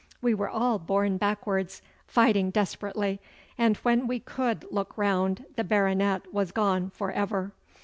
We were all borne backwards, fighting desperately, and when we could look round the Baronet was gone for ever.